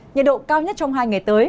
nhà độ cao nhất trong hai ngày tới